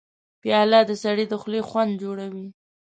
پیاله د سړي د خولې خوند جوړوي.